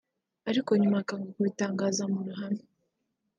ariko nyuma akanga kubitangariza mu ruhame